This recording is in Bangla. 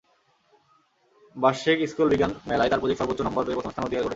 বার্ষিক স্কুল বিজ্ঞান মেলায় তার প্রজেক্ট সর্বোচ্চ নম্বর পেয়ে প্রথম স্থান অধিকার করেছে।